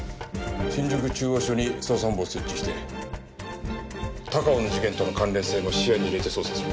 新宿中央署に捜査本部を設置して高尾の事件との関連性も視野に入れて捜査する。